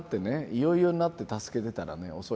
いよいよになって助けてたらね遅い。